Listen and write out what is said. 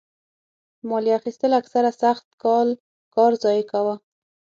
مالیه اخیستل اکثره سخت کال کار ضایع کاوه.